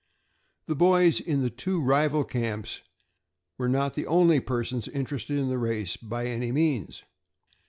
The boys in the two rival camps were not the only persons interested in the race by any means.